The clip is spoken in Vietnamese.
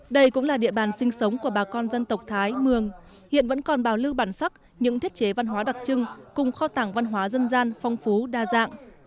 đây cũng là địa bàn sinh sống của bà con dân tộc thái mường hiện vẫn còn bảo lưu bản sắc những thiết chế văn hóa đặc trưng cùng kho tảng văn hóa dân gian phong phú đa dạng